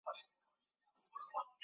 海伦斯堡东岸。